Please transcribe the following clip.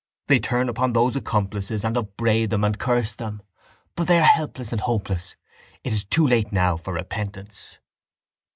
They turn upon those accomplices and upbraid them and curse them. But they are helpless and hopeless: it is too late now for repentance.